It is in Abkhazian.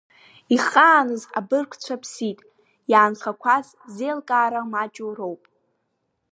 Ихааныз абыргцәа ԥсит, иаанхақәаз зеилкаара маҷу роуп.